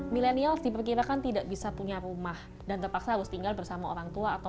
milenial diperkirakan tidak bisa punya rumah dan terpaksa harus tinggal bersama orang tua atau